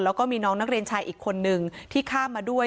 แล้วก็มีน้องนักเรียนชายอีกคนนึงที่ข้ามมาด้วย